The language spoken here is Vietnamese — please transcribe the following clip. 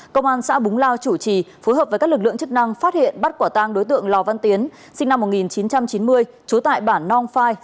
công an xã búng lao chủ trì phối hợp với các lực lượng chức năng phát hiện bắt quả tang đối tượng lò văn tiến